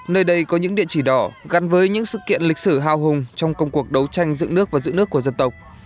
nơi đây có những địa chỉ đỏ gắn với những sự kiện lịch sử hào hùng trong công cuộc đấu tranh dựng nước và giữ nước của dân tộc